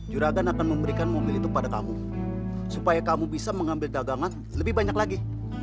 juragan akan memberikan mobil itu pada kamu supaya kamu bisa mengambil dagangan lebih banyak lagi